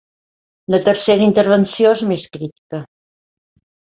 La tercera intervenció és més crítica.